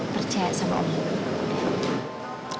percaya sama om